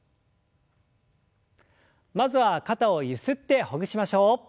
まずは肩をゆすってほぐしましょう。